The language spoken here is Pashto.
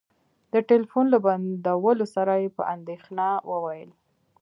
د ټلفون له بندولو سره يې په اندېښنه وويل.